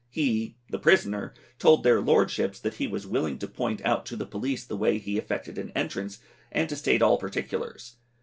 He (the prisoner) told their lordships that he was willing to point out to the police the way he effected an entrance, and to state all particulars.